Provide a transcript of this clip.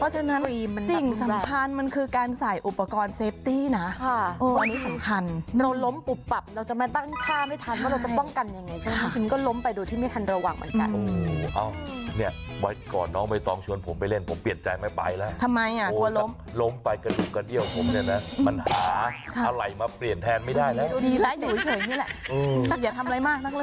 จริงอันนี้คือความจริงเพราะมันคือการเล่นกีฬา